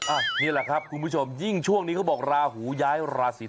นี่แหละครับคุณผู้ชมยิ่งช่วงนี้เขาบอกราหูย้ายราศี